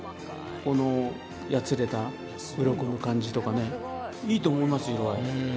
このやつれた鱗の感じとかねいいと思いますよ。